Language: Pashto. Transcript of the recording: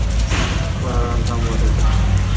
باران هم اورېده.